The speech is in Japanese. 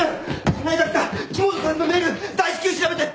こないだ来た木元さんのメール大至急調べて！